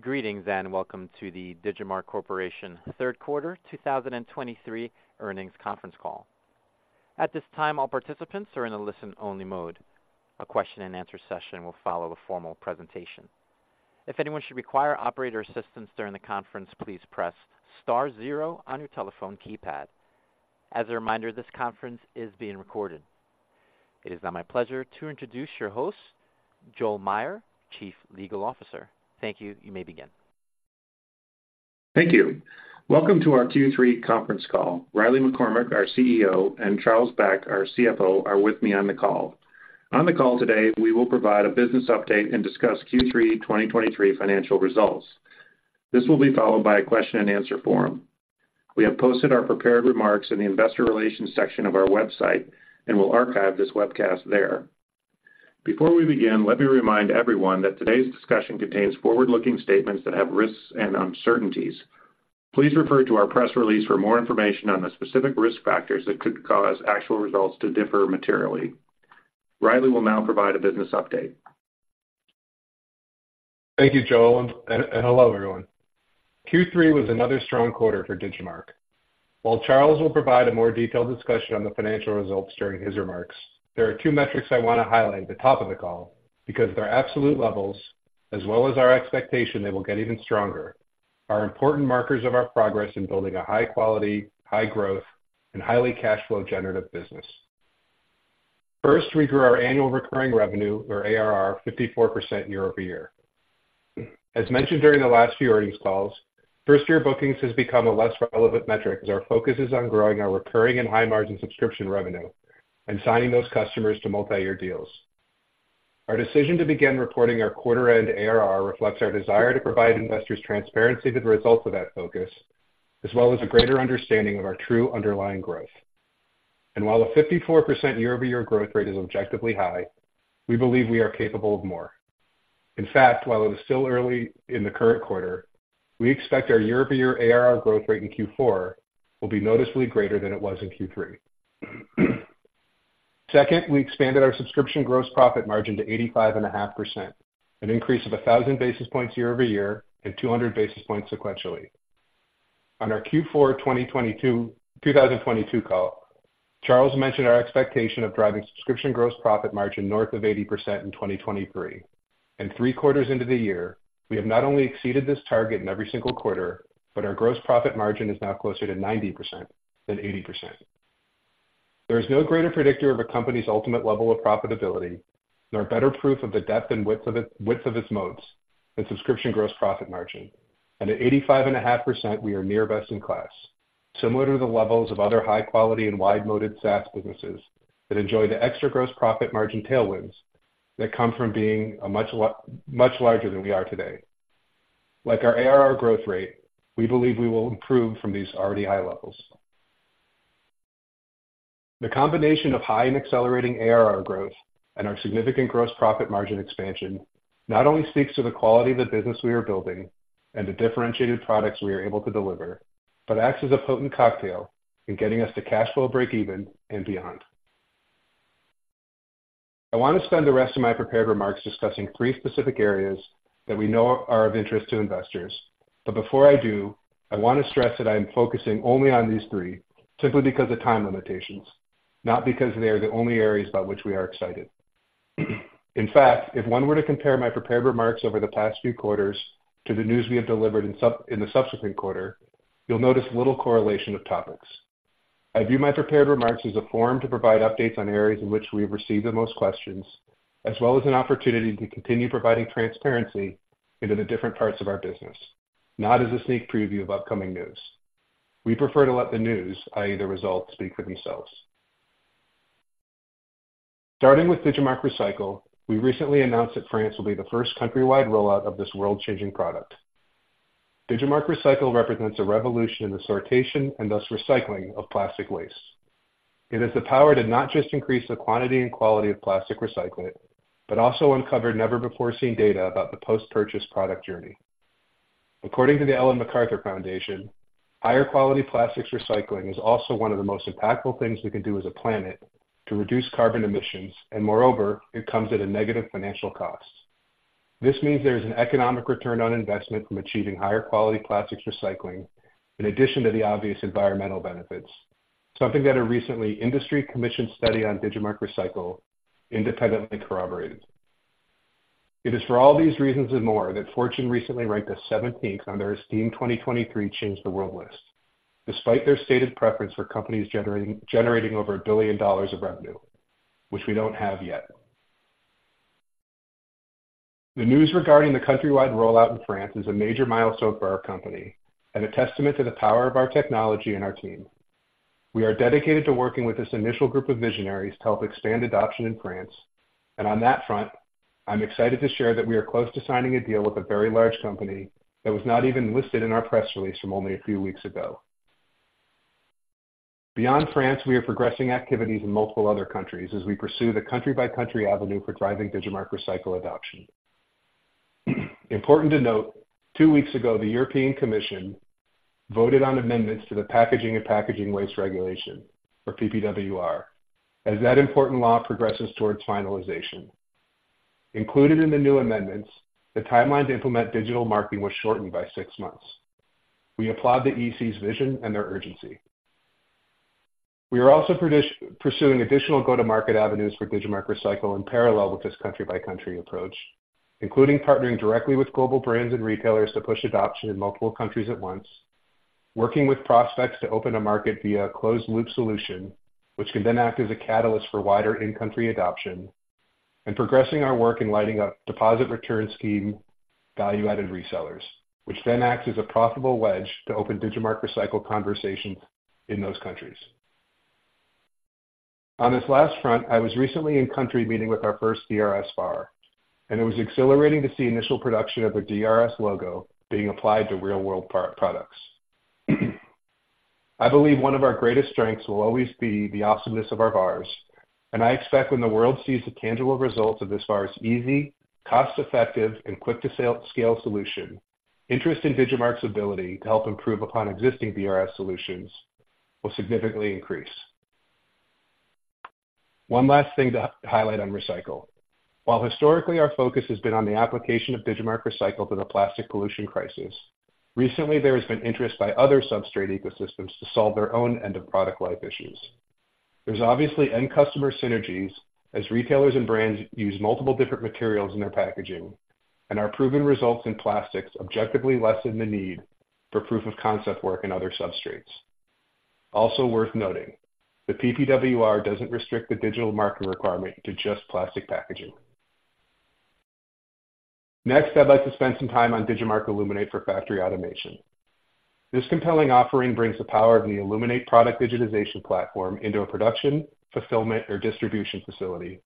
Greetings, and welcome to the Digimarc Corporation third quarter 2023 earnings conference call. At this time, all participants are in a listen-only mode. A question-and-answer session will follow the formal presentation. If anyone should require operator assistance during the conference, please press star zero on your telephone keypad. As a reminder, this conference is being recorded. It is now my pleasure to introduce your host, Joel Meyer, Chief Legal Officer. Thank you. You may begin. Thank you. Welcome to our Q3 conference call. Riley McCormack, our CEO, and Charles Beck, our CFO, are with me on the call. On the call today, we will provide a business update and discuss Q3 2023 financial results. This will be followed by a question-and-answer forum. We have posted our prepared remarks in the investor relations section of our website, and we'll archive this webcast there. Before we begin, let me remind everyone that today's discussion contains forward-looking statements that have risks and uncertainties. Please refer to our press release for more information on the specific risk factors that could cause actual results to differ materially. Riley will now provide a business update. Thank you, Joel, and hello, everyone. Q3 was another strong quarter for Digimarc. While Charles will provide a more detailed discussion on the financial results during his remarks, there are two metrics I want to highlight at the top of the call because their absolute levels, as well as our expectation they will get even stronger, are important markers of our progress in building a high-quality, high-growth, and highly cash flow generative business. First, we grew our annual recurring revenue, or ARR, 54% year-over-year. As mentioned during the last few earnings calls, first-year bookings has become a less relevant metric as our focus is on growing our recurring and high-margin subscription revenue and signing those customers to multi-year deals. Our decision to begin reporting our quarter-end ARR reflects our desire to provide investors transparency to the results of that focus, as well as a greater understanding of our true underlying growth. While a 54% year-over-year growth rate is objectively high, we believe we are capable of more. In fact, while it is still early in the current quarter, we expect our year-over-year ARR growth rate in Q4 will be noticeably greater than it was in Q3. Second, we expanded our subscription gross profit margin to 85.5%, an increase of 1,000 basis points year-over-year and 200 basis points sequentially. On our Q4 2022 call, Charles mentioned our expectation of driving subscription gross profit margin north of 80% in 2023. And three quarters into the year, we have not only exceeded this target in every single quarter, but our gross profit margin is now closer to 90% than 80%. There is no greater predictor of a company's ultimate level of profitability, nor better proof of the depth and width of its moats than subscription gross profit margin. And at 85.5%, we are near best in class, similar to the levels of other high-quality and wide-moated SaaS businesses that enjoy the extra gross profit margin tailwinds that come from being a much larger than we are today. Like our ARR growth rate, we believe we will improve from these already high levels. The combination of high and accelerating ARR growth and our significant gross profit margin expansion not only speaks to the quality of the business we are building and the differentiated products we are able to deliver, but acts as a potent cocktail in getting us to cash flow break even and beyond. I want to spend the rest of my prepared remarks discussing three specific areas that we know are of interest to investors. Before I do, I want to stress that I am focusing only on these three simply because of time limitations, not because they are the only areas about which we are excited. In fact, if one were to compare my prepared remarks over the past few quarters to the news we have delivered in the subsequent quarter, you'll notice little correlation of topics. I view my prepared remarks as a forum to provide updates on areas in which we have received the most questions, as well as an opportunity to continue providing transparency into the different parts of our business, not as a sneak preview of upcoming news. We prefer to let the news, i.e., the results, speak for themselves. Starting with Digimarc Recycle, we recently announced that France will be the first countrywide rollout of this world-changing product. Digimarc Recycle represents a revolution in the sortation and thus recycling of plastic waste. It has the power to not just increase the quantity and quality of plastic recycling, but also uncover never-before-seen data about the post-purchase product journey. According to the Ellen MacArthur Foundation, higher quality plastics recycling is also one of the most impactful things we can do as a planet to reduce carbon emissions, and moreover, it comes at a negative financial cost. This means there is an economic return on investment from achieving higher quality plastics recycling, in addition to the obvious environmental benefits, something that a recently industry commissioned study on Digimarc Recycle independently corroborated. It is for all these reasons and more that Fortune recently ranked us 17th on their esteemed 2023 Change the World list, despite their stated preference for companies generating over $1 billion of revenue, which we don't have yet. The news regarding the countrywide rollout in France is a major milestone for our company and a testament to the power of our technology and our team. We are dedicated to working with this initial group of visionaries to help expand adoption in France. On that front, I'm excited to share that we are close to signing a deal with a very large company that was not even listed in our press release from only a few weeks ago. Beyond France, we are progressing activities in multiple other countries as we pursue the country-by-country avenue for driving Digimarc Recycle adoption. Important to note, two weeks ago, the European Commission voted on amendments to the Packaging and Packaging Waste Regulation, or PPWR, as that important law progresses towards finalization. Included in the new amendments, the timeline to implement digital marking was shortened by six months. We applaud the EC's vision and their urgency. We are also pursuing additional go-to-market avenues for Digimarc Recycle in parallel with this country-by-country approach, including partnering directly with global brands and retailers to push adoption in multiple countries at once, working with prospects to open a market via a closed-loop solution, which can then act as a catalyst for wider in-country adoption, and progressing our work in lighting up Deposit Return Scheme value-added resellers, which then acts as a profitable wedge to open Digimarc Recycle conversations in those countries. On this last front, I was recently in-country meeting with our first DRS VAR, and it was exhilarating to see initial production of a DRS logo being applied to real-world part products. I believe one of our greatest strengths will always be the awesomeness of our VARs, and I expect when the world sees the tangible results of this VAR's easy, cost-effective, and quick-to-sale-scale solution, interest in Digimarc's ability to help improve upon existing DRS solutions will significantly increase. One last thing to highlight on Recycle. While historically, our focus has been on the application of Digimarc Recycle to the plastic pollution crisis, recently, there has been interest by other substrate ecosystems to solve their own end-of-product life issues. There's obviously end customer synergies as retailers and brands use multiple different materials in their packaging, and our proven results in plastics objectively lessen the need for proof-of-concept work in other substrates. Also worth noting, the PPWR doesn't restrict the digital marking requirement to just plastic packaging. Next, I'd like to spend some time on Digimarc Illuminate for Factory Automation. This compelling offering brings the power of the Illuminate product digitization platform into a production, fulfillment, or distribution facility,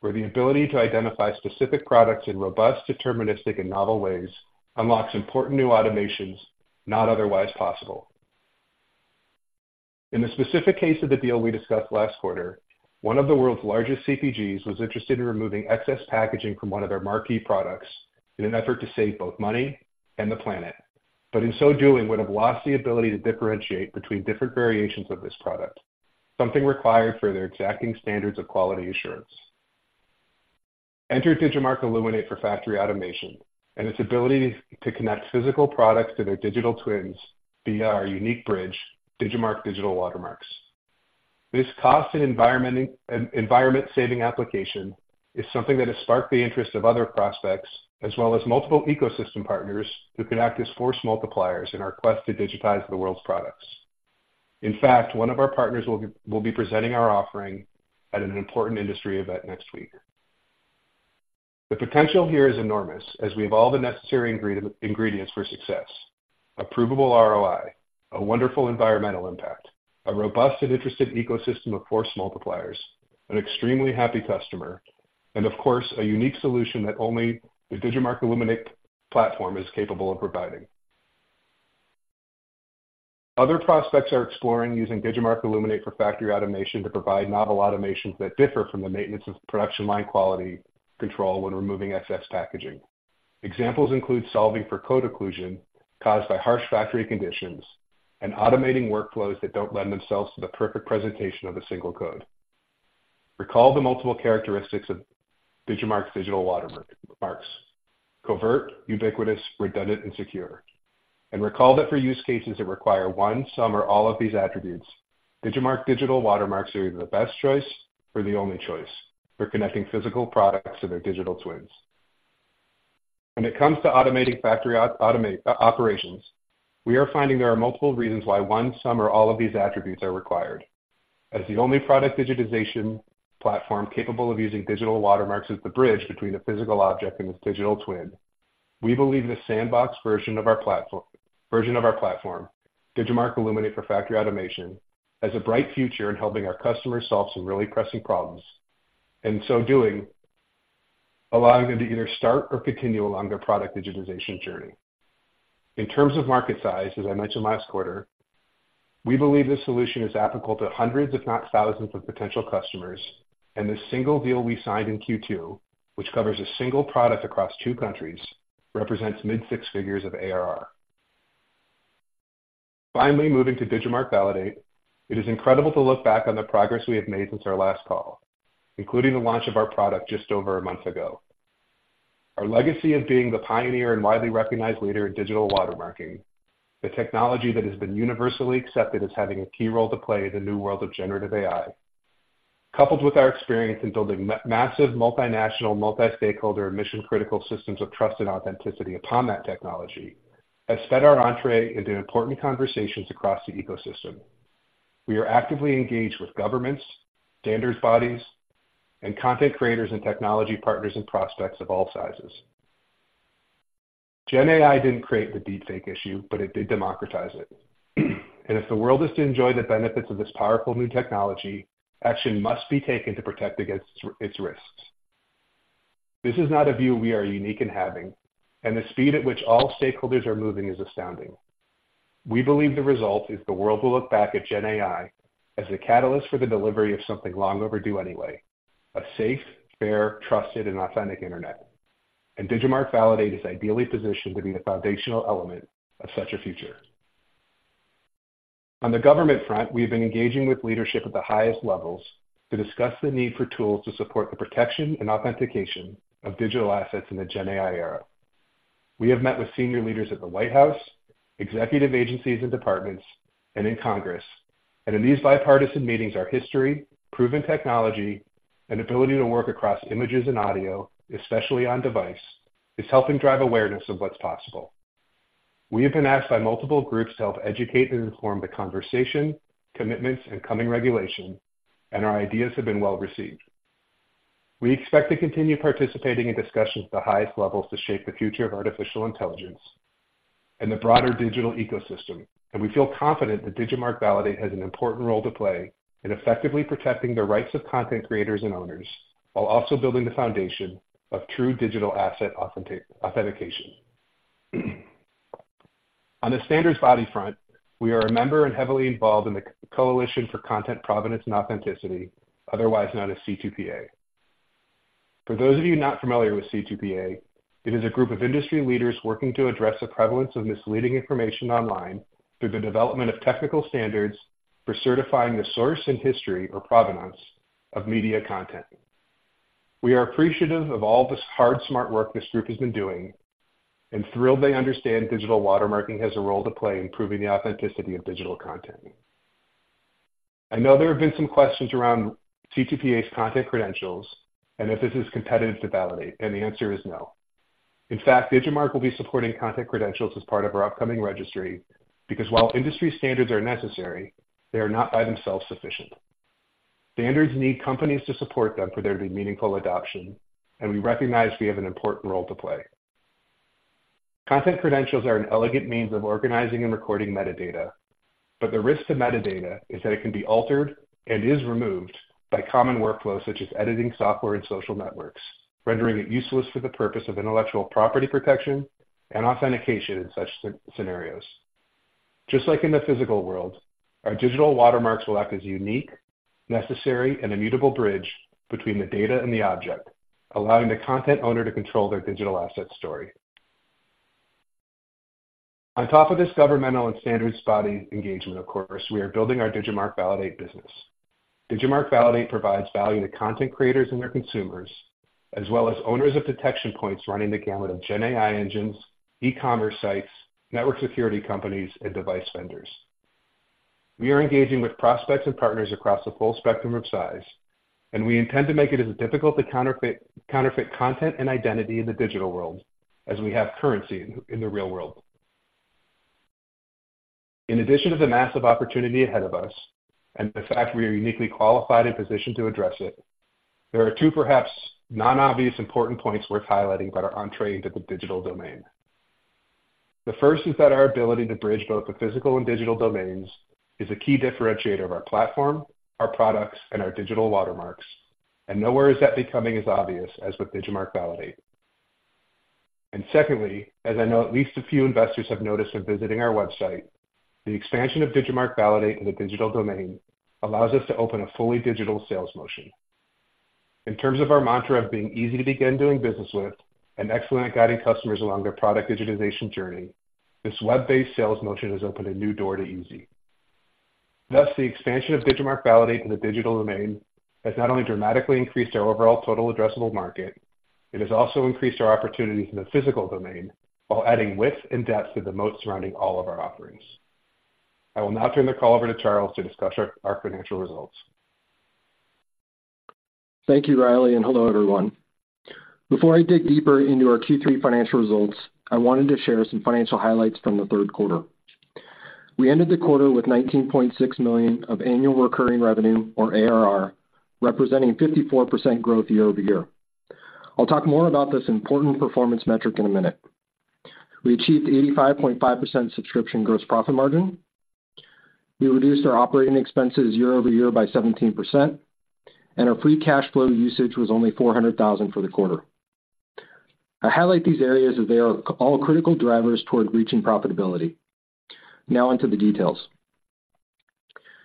where the ability to identify specific products in robust, deterministic, and novel ways unlocks important new automations not otherwise possible. In the specific case of the deal we discussed last quarter, one of the world's largest CPGs was interested in removing excess packaging from one of their marquee products in an effort to save both money and the planet, but in so doing, would have lost the ability to differentiate between different variations of this product, something required for their exacting standards of quality assurance. Enter Digimarc Illuminate for Factory Automation and its ability to connect physical products to their digital twins via our unique bridge, Digimarc Digital Watermarks. This cost and environment-saving application is something that has sparked the interest of other prospects, as well as multiple ecosystem partners who can act as force multipliers in our quest to digitize the world's products. In fact, one of our partners will be presenting our offering at an important industry event next week. The potential here is enormous, as we have all the necessary ingredients for success: a provable ROI, a wonderful environmental impact, a robust and interested ecosystem of force multipliers, an extremely happy customer, and of course, a unique solution that only the Digimarc Illuminate platform is capable of providing. Other prospects are exploring using Digimarc Illuminate for Factory Automation to provide novel automations that differ from the maintenance of production line quality control when removing excess packaging. Examples include solving for code occlusion caused by harsh factory conditions and automating workflows that don't lend themselves to the perfect presentation of a single code. Recall the multiple characteristics of Digimarc's digital watermarks: covert, ubiquitous, redundant, and secure. And recall that for use cases that require one, some, or all of these attributes, Digimarc Digital Watermarks are either the best choice or the only choice for connecting physical products to their digital twins. When it comes to automating factory automation operations, we are finding there are multiple reasons why one, some, or all of these attributes are required. As the only product digitization platform capable of using digital watermarks as the bridge between a physical object and its digital twin, we believe this sandbox version of our platform, version of our platform, Digimarc Illuminate for Factory Automation, has a bright future in helping our customers solve some really pressing problems, and in so doing, allowing them to either start or continue along their product digitization journey. In terms of market size, as I mentioned last quarter, we believe this solution is applicable to hundreds, if not thousands, of potential customers, and the single deal we signed in Q2, which covers a single product across two countries, represents mid six figures of ARR. Finally, moving to Digimarc Validate. It is incredible to look back on the progress we have made since our last call, including the launch of our product just over a month ago. Our legacy of being the pioneer and widely recognized leader in digital watermarking, the technology that has been universally accepted as having a key role to play in the new world of generative AI, coupled with our experience in building massive, multinational, multi-stakeholder, mission-critical systems of trust and authenticity upon that technology, has sped our entree into important conversations across the ecosystem. We are actively engaged with governments, standards bodies, and content creators, and technology partners and prospects of all sizes. Gen AI didn't create the deepfake issue, but it did democratize it. And if the world is to enjoy the benefits of this powerful new technology, action must be taken to protect against its, its risks. This is not a view we are unique in having, and the speed at which all stakeholders are moving is astounding. We believe the result is the world will look back at Gen AI as a catalyst for the delivery of something long overdue anyway, a safe, fair, trusted, and authentic internet... and Digimarc Validate is ideally positioned to be the foundational element of such a future. On the government front, we have been engaging with leadership at the highest levels to discuss the need for tools to support the protection and authentication of digital assets in the Gen AI era. We have met with senior leaders at the White House, executive agencies and departments, and in Congress, and in these bipartisan meetings, our history, proven technology, and ability to work across images and audio, especially on device, is helping drive awareness of what's possible. We have been asked by multiple groups to help educate and inform the conversation, commitments, and coming regulation, and our ideas have been well received. We expect to continue participating in discussions at the highest levels to shape the future of artificial intelligence and the broader digital ecosystem, and we feel confident that Digimarc Validate has an important role to play in effectively protecting the rights of content creators and owners, while also building the foundation of true digital asset authentication. On the standards body front, we are a member and heavily involved in the Coalition for Content, Provenance, and Authenticity, otherwise known as C2PA. For those of you not familiar with C2PA, it is a group of industry leaders working to address the prevalence of misleading information online through the development of technical standards for certifying the source and history or provenance of media content. We are appreciative of all this hard, smart work this group has been doing and thrilled they understand digital watermarking has a role to play in proving the authenticity of digital content. I know there have been some questions around C2PA's Content Credentials and if this is competitive to Validate, and the answer is no. In fact, Digimarc will be supporting Content Credentials as part of our upcoming registry because while industry standards are necessary, they are not by themselves sufficient. Standards need companies to support them for there to be meaningful adoption, and we recognize we have an important role to play. Content Credentials are an elegant means of organizing and recording metadata, but the risk to metadata is that it can be altered and is removed by common workflows such as editing software and social networks, rendering it useless for the purpose of intellectual property protection and authentication in such scenarios. Just like in the physical world, our digital watermarks will act as unique, necessary, and immutable bridge between the data and the object, allowing the content owner to control their digital asset story. On top of this governmental and standards body engagement, of course, we are building our Digimarc Validate business. Digimarc Validate provides value to content creators and their consumers, as well as owners of detection points running the gamut of Gen AI engines, e-commerce sites, network security companies, and device vendors. We are engaging with prospects and partners across the full spectrum of size, and we intend to make it as difficult to counterfeit, counterfeit content and identity in the digital world as we have currency in, in the real world. In addition to the massive opportunity ahead of us, and the fact we are uniquely qualified and positioned to address it, there are two perhaps non-obvious, important points worth highlighting that are on entry into the digital domain. The first is that our ability to bridge both the physical and digital domains is a key differentiator of our platform, our products, and our digital watermarks, and nowhere is that becoming as obvious as with Digimarc Validate. Secondly, as I know at least a few investors have noticed when visiting our website, the expansion of Digimarc Validate in the digital domain allows us to open a fully digital sales motion. In terms of our mantra of being easy to begin doing business with and excellent at guiding customers along their product digitization journey, this web-based sales motion has opened a new door to easy. Thus, the expansion of Digimarc Validate in the digital domain has not only dramatically increased our overall total addressable market, it has also increased our opportunities in the physical domain, while adding width and depth to the moat surrounding all of our offerings. I will now turn the call over to Charles to discuss our financial results. Thank you, Riley, and hello, everyone. Before I dig deeper into our Q3 financial results, I wanted to share some financial highlights from the third quarter. We ended the quarter with $19.6 million of annual recurring revenue, or ARR, representing 54% growth year-over-year. I'll talk more about this important performance metric in a minute. We achieved 85.5% subscription gross profit margin. We reduced our operating expenses year-over-year by 17%, and our free cash flow usage was only $400,000 for the quarter. I highlight these areas as they are all critical drivers toward reaching profitability. Now onto the details.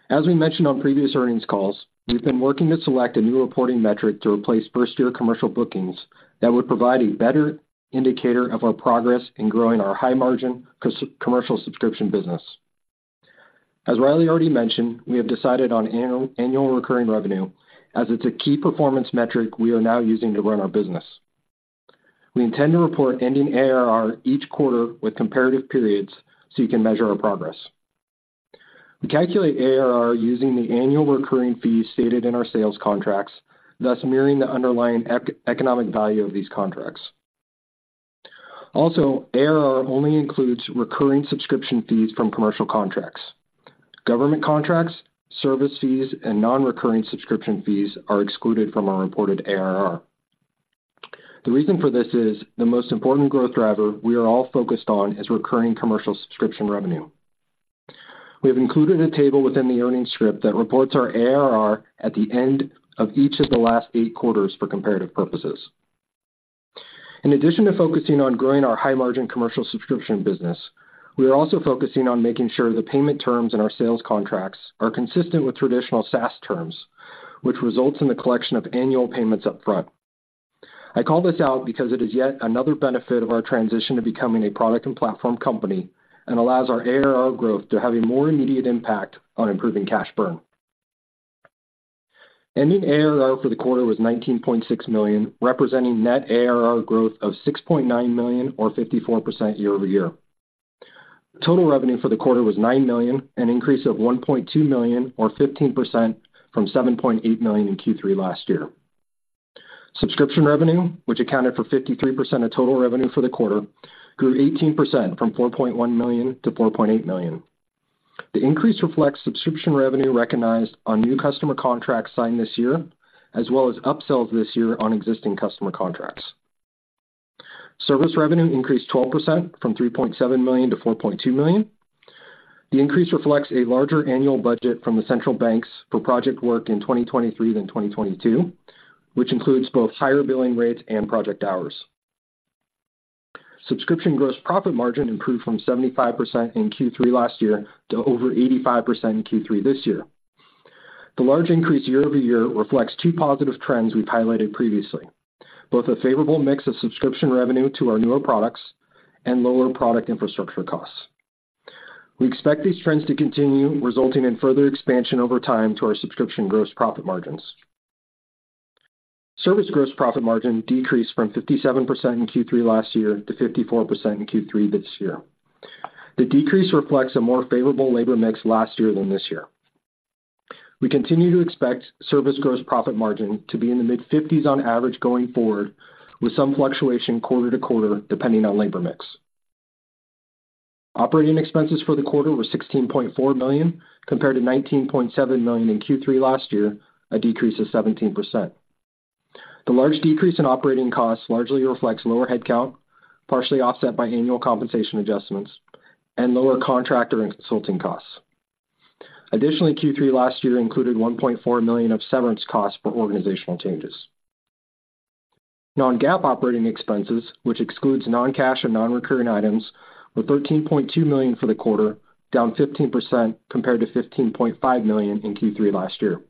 As we mentioned on previous earnings calls, we've been working to select a new reporting metric to replace first-year commercial bookings that would provide a better indicator of our progress in growing our high-margin commercial subscription business. As Riley already mentioned, we have decided on annual recurring revenue, as it's a key performance metric we are now using to run our business. We intend to report ending ARR each quarter with comparative periods so you can measure our progress. We calculate ARR using the annual recurring fees stated in our sales contracts, thus mirroring the underlying economic value of these contracts. Also, ARR only includes recurring subscription fees from commercial contracts. Government contracts, service fees, and non-recurring subscription fees are excluded from our reported ARR. The reason for this is, the most important growth driver we are all focused on is recurring commercial subscription revenue. We have included a table within the earnings script that reports our ARR at the end of each of the last eight quarters for comparative purposes. In addition to focusing on growing our high-margin commercial subscription business, we are also focusing on making sure the payment terms in our sales contracts are consistent with traditional SaaS terms, which results in the collection of annual payments upfront. I call this out because it is yet another benefit of our transition to becoming a product and platform company, and allows our ARR growth to have a more immediate impact on improving cash burn. Ending ARR for the quarter was $19.6 million, representing net ARR growth of $6.9 million, or 54% year-over-year. Total revenue for the quarter was $9 million, an increase of $1.2 million, or 15%, from $7.8 million in Q3 last year. Subscription revenue, which accounted for 53% of total revenue for the quarter, grew 18% from $4.1 million to $4.8 million. The increase reflects subscription revenue recognized on new customer contracts signed this year, as well as upsells this year on existing customer contracts. Service revenue increased 12% from $3.7 million to $4.2 million. The increase reflects a larger annual budget from the central banks for project work in 2023 than 2022, which includes both higher billing rates and project hours. Subscription gross profit margin improved from 75% in Q3 last year to over 85% in Q3 this year. The large increase year-over-year reflects two positive trends we've highlighted previously, both a favorable mix of subscription revenue to our newer products and lower product infrastructure costs. We expect these trends to continue, resulting in further expansion over time to our subscription gross profit margins. Service gross profit margin decreased from 57% in Q3 last year to 54% in Q3 this year. The decrease reflects a more favorable labor mix last year than this year. We continue to expect service gross profit margin to be in the mid-50s on average going forward, with some fluctuation quarter to quarter, depending on labor mix. Operating expenses for the quarter were $16.4 million, compared to $19.7 million in Q3 last year, a decrease of 17%. The large decrease in operating costs largely reflects lower headcount, partially offset by annual compensation adjustments and lower contractor and consulting costs. Additionally, Q3 last year included $1.4 million of severance costs for organizational changes. Non-GAAP operating expenses, which excludes non-cash or non-recurring items, were $13.2 million for the quarter, down 15% compared to $15.5 million in Q3 last year.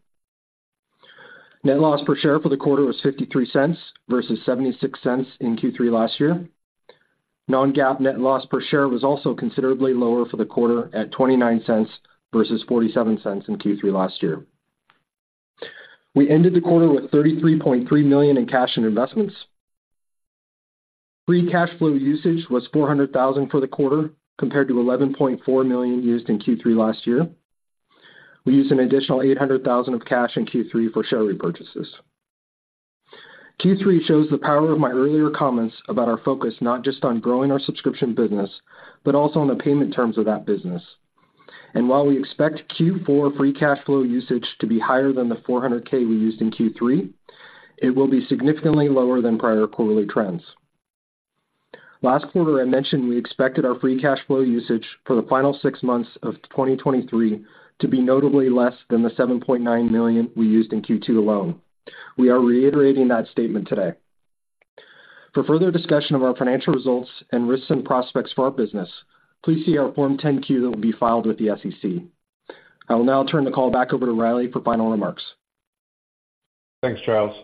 Net loss per share for the quarter was $0.53 versus $0.76 in Q3 last year. Non-GAAP net loss per share was also considerably lower for the quarter, at $0.29 versus $0.47 in Q3 last year. We ended the quarter with $33.3 million in cash and investments. Free cash flow usage was $400,000 for the quarter, compared to $11.4 million used in Q3 last year. We used an additional $800,000 of cash in Q3 for share repurchases. Q3 shows the power of my earlier comments about our focus, not just on growing our subscription business, but also on the payment terms of that business. While we expect Q4 free cash flow usage to be higher than the $400,000 we used in Q3, it will be significantly lower than prior quarterly trends. Last quarter, I mentioned we expected our free cash flow usage for the final six months of 2023 to be notably less than the $7.9 million we used in Q2 alone. We are reiterating that statement today. For further discussion of our financial results and risks and prospects for our business, please see our Form 10-Q that will be filed with the SEC. I will now turn the call back over to Riley for final remarks. Thanks, Charles.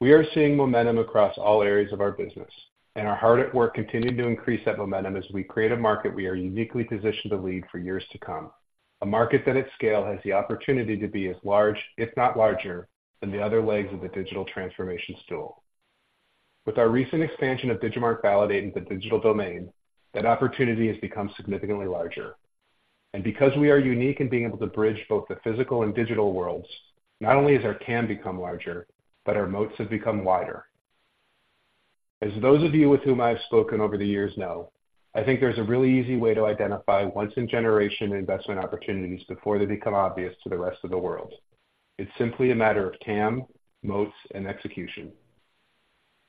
We are seeing momentum across all areas of our business, and are hard at work continuing to increase that momentum as we create a market we are uniquely positioned to lead for years to come. A market that at scale, has the opportunity to be as large, if not larger, than the other legs of the digital transformation stool. With our recent expansion of Digimarc Validate, the digital domain, that opportunity has become significantly larger. And because we are unique in being able to bridge both the physical and digital worlds, not only has our TAM become larger, but our moats have become wider. As those of you with whom I've spoken over the years know, I think there's a really easy way to identify once-in-a-generation investment opportunities before they become obvious to the rest of the world. It's simply a matter of TAM, moats, and execution.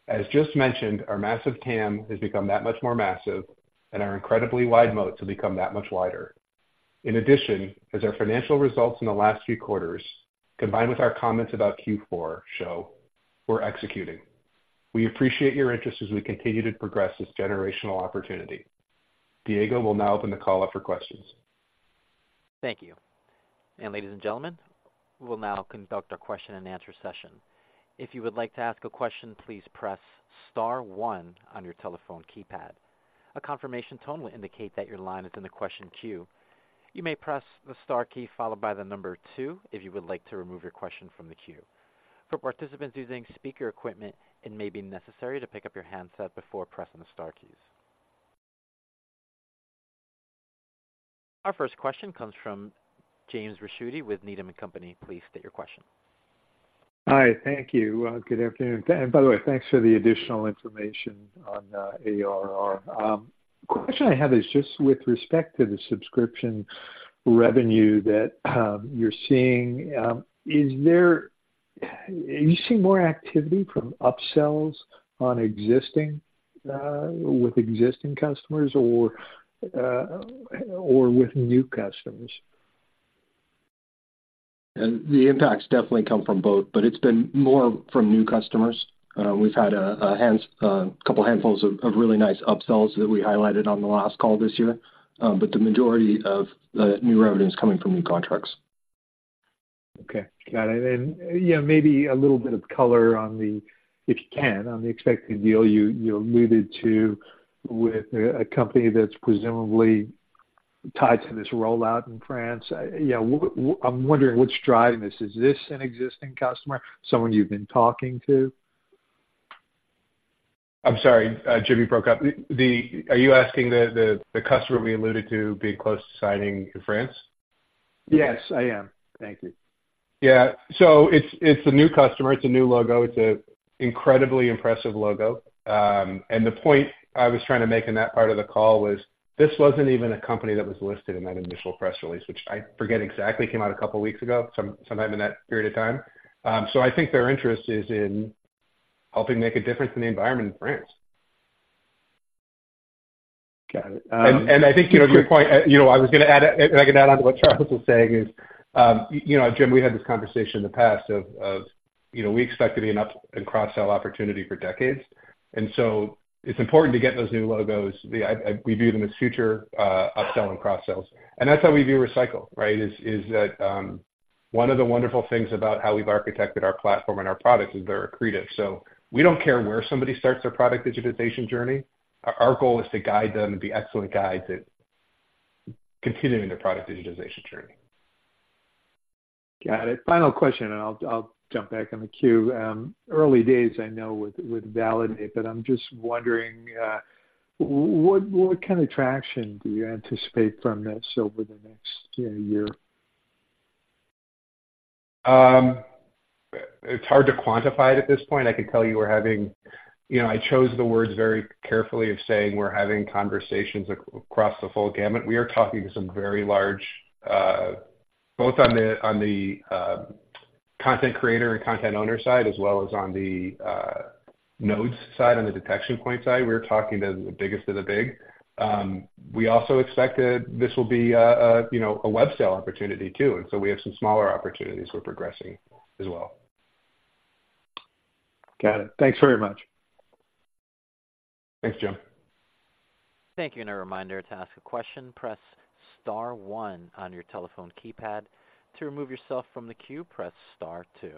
As just mentioned, our massive TAM has become that much more massive, and our incredibly wide moats have become that much wider. In addition, as our financial results in the last few quarters, combined with our comments about Q4 show, we're executing. We appreciate your interest as we continue to progress this generational opportunity. Diego will now open the call up for questions. Thank you. And ladies and gentlemen, we will now conduct our question-and-answer session. If you would like to ask a question, please press star one on your telephone keypad. A confirmation tone will indicate that your line is in the question queue. You may press the star key followed by the number two, if you would like to remove your question from the queue. For participants using speaker equipment, it may be necessary to pick up your handset before pressing the star keys. Our first question comes from James Ricchiuti with Needham & Company. Please state your question. Hi, thank you. Good afternoon. And by the way, thanks for the additional information on ARR. The question I have is just with respect to the subscription revenue that you're seeing. Are you seeing more activity from upsells on existing with existing customers or with new customers? The impacts definitely come from both, but it's been more from new customers. We've had a couple handfuls of really nice upsells that we highlighted on the last call this year, but the majority of the new revenue is coming from new contracts. Okay, got it. And, yeah, maybe a little bit of color on the, if you can, on the expected deal you, you alluded to with a, a company that's presumably tied to this rollout in France. Yeah, I'm wondering what's driving this. Is this an existing customer, someone you've been talking to? I'm sorry, Jimmy, you broke up. Are you asking the customer we alluded to being close to signing in France? Yes, I am. Thank you. Yeah. So it's a new customer. It's a new logo. It's an incredibly impressive logo. And the point I was trying to make in that part of the call was, this wasn't even a company that was listed in that initial press release, which, I forget exactly, came out a couple of weeks ago, sometime in that period of time. So I think their interest is in helping make a difference in the environment in France. Got it. I think, you know, to your point, you know, I was gonna add, and I can add on to what Charles was saying is, you know, Jim, we had this conversation in the past, you know, we expect to be an up and cross-sell opportunity for decades, and so it's important to get those new logos. We view them as future upselling cross-sales, and that's how we view recycle, right? That one of the wonderful things about how we've architected our platform and our products is they're accretive. So we don't care where somebody starts their product digitization journey. Our goal is to guide them and be excellent guides at continuing their product digitization journey. Got it. Final question, and I'll jump back on the queue. Early days I know with Validate, but I'm just wondering what kind of traction do you anticipate from this over the next, you know, year? It's hard to quantify it at this point. I can tell you we're having... You know, I chose the words very carefully of saying we're having conversations across the full gamut. We are talking to some very large, both on the content creator and content owner side, as well as on the nodes side, on the detection point side. We're talking to the biggest of the big. We also expect that this will be, you know, a web sale opportunity, too, and so we have some smaller opportunities we're progressing as well. Got it. Thanks very much. Thanks, Jim. Thank you, and a reminder, to ask a question, press star one on your telephone keypad. To remove yourself from the queue, press star two.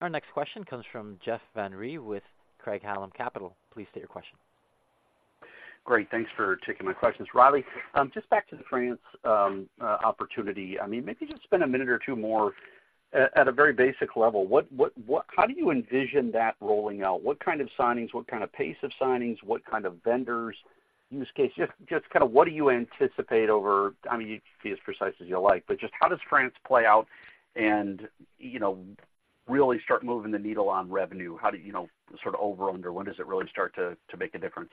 Our next question comes from Jeff Van Rhee with Craig-Hallum Capital. Please state your question. Great. Thanks for taking my questions. Riley, just back to the France opportunity. I mean, maybe just spend a minute or two more. At a very basic level, what -- how do you envision that rolling out? What kind of signings, what kind of pace of signings, what kind of vendors, use case? Just kind of what do you anticipate over -- I mean, you can be as precise as you like, but just how does France play out and, you know, really start moving the needle on revenue? How do you know, sort of over under, when does it really start to make a difference?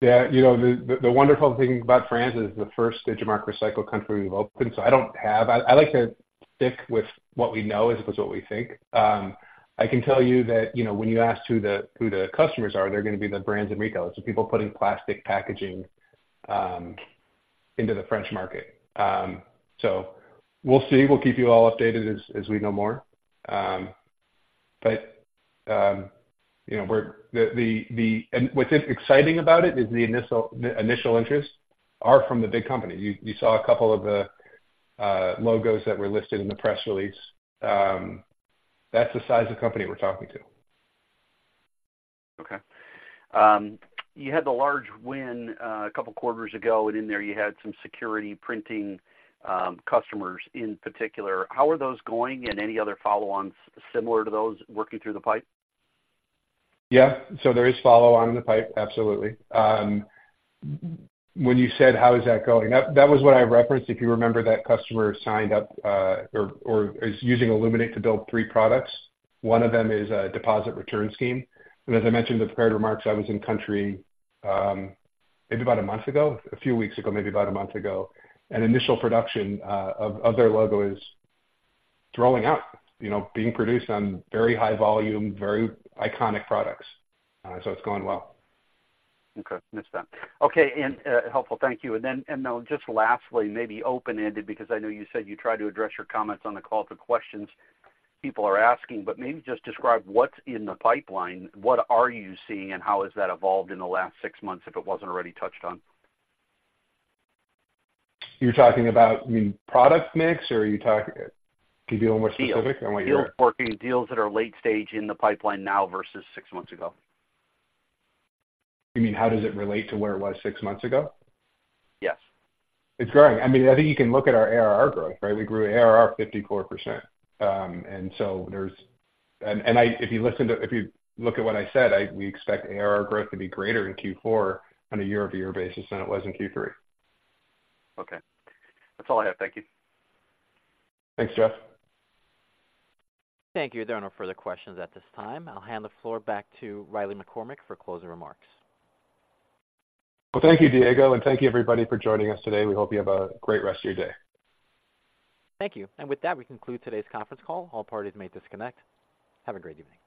Yeah, you know, the wonderful thing about France is the first Digimarc Recycle country we've opened, so I don't have... I like to stick with what we know as opposed to what we think. I can tell you that, you know, when you ask who the customers are, they're gonna be the brands and retailers, the people putting plastic packaging into the French market. So we'll see. We'll keep you all updated as we know more. But, you know, and what's exciting about it is the initial interest are from the big companies. You saw a couple of the logos that were listed in the press release. That's the size of company we're talking to. Okay. You had the large win a couple of quarters ago, and in there, you had some security printing customers in particular. How are those going and any other follow-ons similar to those working through the pipe? Yeah. So there is follow-on in the pipe. Absolutely. When you said, "How is that going?" That was what I referenced. If you remember, that customer signed up or is using Illuminate to build three products. One of them is a deposit return scheme, and as I mentioned in the prepared remarks, I was in country maybe about a month ago, a few weeks ago, maybe about a month ago. And initial production of their logo is rolling out, you know, being produced on very high volume, very iconic products. So it's going well. Okay. Understood. Okay, and, helpful. Thank you. And then, and now, just lastly, maybe open-ended, because I know you said you tried to address your comments on the call to questions people are asking, but maybe just describe what's in the pipeline. What are you seeing, and how has that evolved in the last six months, if it wasn't already touched on? You're talking about, you mean product mix, or are you talking... Can you be more specific? I want you- Deals. Deals working, deals that are late stage in the pipeline now versus six months ago. You mean, how does it relate to where it was six months ago? Yes. It's growing. I mean, I think you can look at our ARR growth, right? We grew ARR 54%. If you look at what I said, we expect ARR growth to be greater in Q4 on a year-over-year basis than it was in Q3. Okay. That's all I have. Thank you. Thanks, Jeff. Thank you. There are no further questions at this time. I'll hand the floor back to Riley McCormack for closing remarks. Well, thank you, Diego, and thank you, everybody, for joining us today. We hope you have a great rest of your day. Thank you. With that, we conclude today's conference call. All parties may disconnect. Have a great evening.